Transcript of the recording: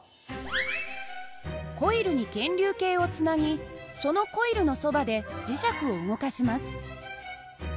コイルに検流計をつなぎそのコイルのそばで磁石を動かします。